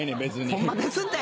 ホンマですって！